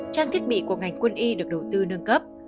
trang thiết bị của ngành quân y được đầu tư nâng cấp